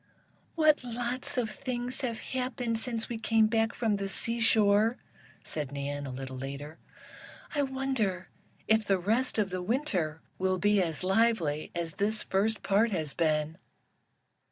"What lots of things have happened since we came back from the seashore," said Nan, little later. "I wonder if the rest of the Winter will be as lively as this first part has been?"